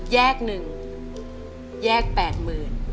แยกหนึ่งแยกแปดหมื่น